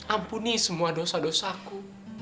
ampuni semua dosa dosaku